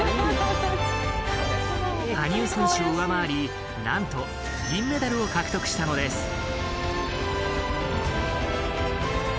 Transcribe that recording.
羽生選手を上回りなんと銀メダルを獲得したのです。